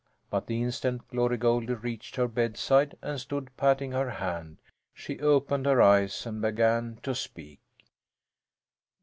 But the instant Glory Goldie reached her bedside and stood patting her hand, she opened her eyes and began to speak.